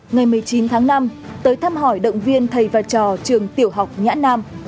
ngày một mươi chín tháng năm tới thăm hỏi động viên thầy và trò trường tiểu học nhã nam